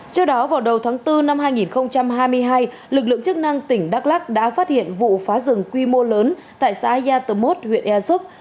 trước đó vào đầu tháng bốn năm hai nghìn hai mươi hai lực lượng chức năng tỉnh đắk lắc đã phát hiện vụ phá rừng quy mô lớn tại xã yatomot huyện ea súp